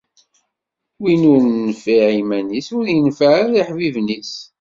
Win ur nenfiε iman-is, ur ineffeε ara iḥbiben-is.